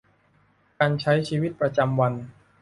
การใช้ชีวิตประจำวัน